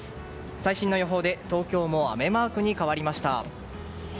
最新の予報で東京も雨マークに変わりました。